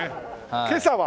今朝は？